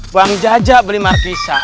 bang jaja beli marpisa